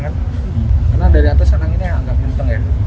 karena dari atas sana ini agak penting ya